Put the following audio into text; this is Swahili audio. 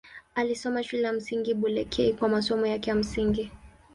Alisoma Shule ya Msingi Bulekei kwa masomo yake ya msingi.